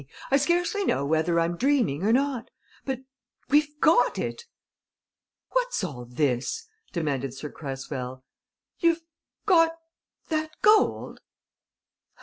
I scarcely know whether I'm dreaming or not. But we've got it!" "What's all this?" demanded Sir Cresswell. "You've got that gold?"